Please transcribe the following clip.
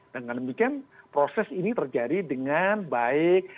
dengan demikian proses ini terjadi dengan baik